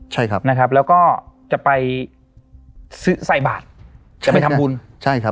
ใช่ครับนะครับแล้วก็จะไปซื้อใส่บาทจะไปทำบุญใช่ครับ